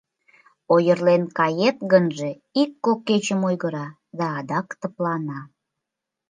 Ойырлен кает гынже, ик-кок кечым ойгыра да адак тыплана.